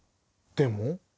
でも？